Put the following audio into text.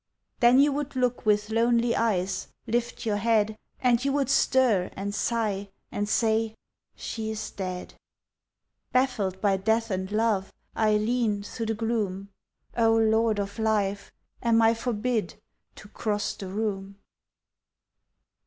Then you would look with lonely eyes Lift your head And you would stir, and sigh, and say "She is dead." Baffled by death and love, I lean Through the gloom. O Lord of life! am I forbid To cross the room?